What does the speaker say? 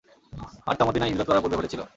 আর তা মদীনায় হিজরত করার পূর্বে ঘটেছিল।